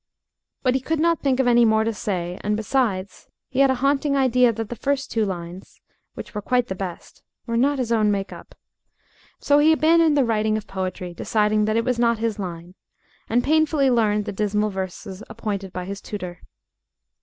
But he could not think of any more to say, and besides, he had a haunting idea that the first two lines which were quite the best were not his own make up. So he abandoned the writing of poetry, deciding that it was not his line, and painfully learned the dismal verses appointed by his tutor.